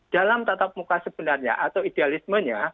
dalam tatap muka sebenarnya atau idealismenya